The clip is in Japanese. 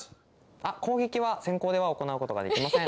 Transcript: あっ攻撃は先攻では行うことができません。